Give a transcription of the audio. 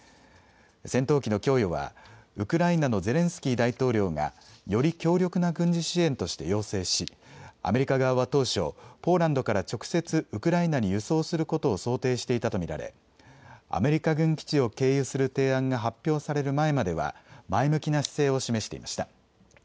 戦闘機の供与はウクライナのゼレンスキー大統領がより強力な軍事支援として要請しアメリカ側は当初、ポーランドから直接ウクライナに輸送することを想定していたと見られ、アメリカ軍基地を経由する提案が発表される前までは前向きな姿勢を示していました。